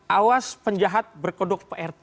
awas penjahat berkodok prt